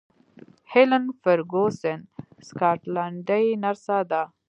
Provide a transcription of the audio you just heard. هیلن فرګوسن سکاټلنډۍ نرسه ده.